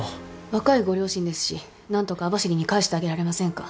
若いご両親ですし何とか網走に帰してあげられませんか？